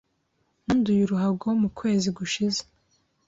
Nanduye uruhago mu kwezi gushize.